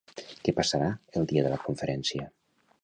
Què passarà el dia de la conferència?